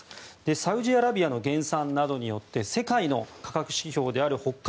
サウジアラビアの減産などによって世界の価格指標である北海